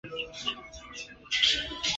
该公告所述和原先的赛程出现分歧。